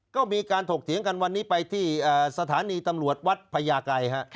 ก็มีการถกเถียงกันวันนี้ไปที่สถานีตำรวจวัดพญาไกร